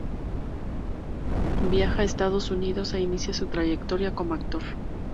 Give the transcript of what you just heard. Viaja a Estados Unidos e inicia su trayectoria como actor.